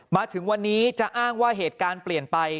มาถึงวันนี้จะอ้างว่าเหตุการณ์เปลี่ยนไป